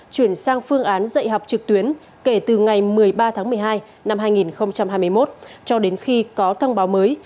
chuyển sang phương án dạy học trực tuyến kể từ ngày một mươi ba tháng một mươi hai năm hai nghìn hai mươi một cho đến khi có thông báo mới